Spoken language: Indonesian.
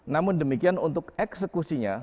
namun demikian untuk eksekusinya